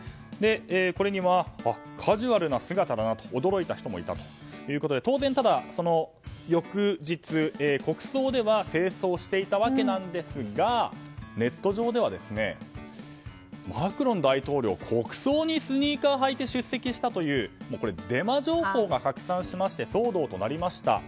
これにはカジュアルな姿だなと驚いた人もいたということで当然、翌日国葬では正装していたわけですがネット上では、マクロン大統領国葬にスニーカーを履いて出席したというデマ情報が拡散しまして騒動となりました。